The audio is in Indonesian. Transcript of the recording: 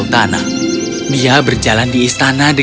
saya bisa nada di internet